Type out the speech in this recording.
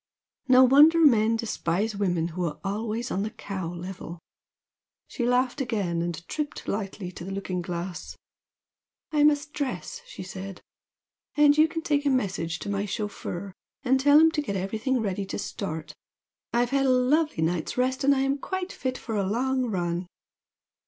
No wonder men despise women who are always on the cow level!" She laughed again, and tripped lightly to the looking glass. "I must dress;" she said "And you can take a message to my chauffeur and tell him to get everything ready to start. I've had a lovely night's rest and am quite fit for a long run."